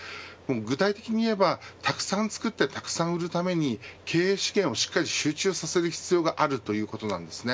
具体的に言えば、たくさん作ってたくさん売るために経営資源をしっかり集中させる必要があるということなんです。